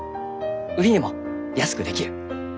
売値も安くできる。